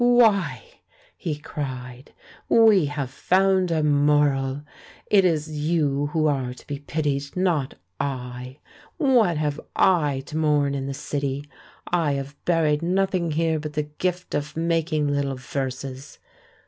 "Why," he cried, "we have found a Moral! It is you who are to be pitied, not I. What have I to mourn in the City? I have buried nothing here but the gift of making little verses.